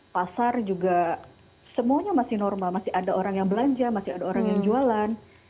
pasar juga semuanya masih normal masih ada orang yang belanja masih ada orang yang jualan